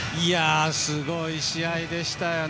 すごい試合でしたよね。